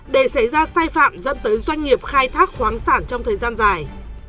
để xảy ra sai phạm dẫn tới doanh nghiệp khai thác khoáng sản trong thời gian dài